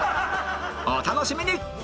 お楽しみに！